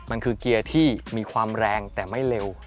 มันคือเกียร์ที่มีความแรงแต่ไม่เร็ว